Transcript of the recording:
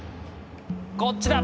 こっちだ！